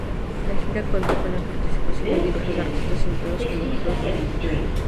La gira contó con la participación de diversos artistas invitados como Carlos Baute.